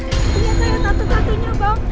ini saya satu satunya bang